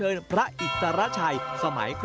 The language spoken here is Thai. ซึ่งเป็นประเพณีที่มีหนึ่งเดียวในประเทศไทยและหนึ่งเดียวในโลก